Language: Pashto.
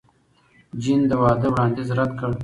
جین د واده وړاندیز رد کړ.